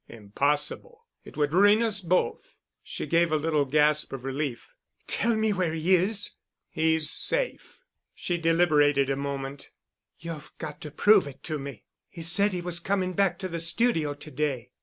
"Impossible. It would ruin us both." She gave a little gasp of relief. "Tell me where he is." "He's safe——" She deliberated a moment. "You've got to prove it to me. He said he was coming back to the studio to day.